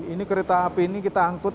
ini kereta api ini kita angkut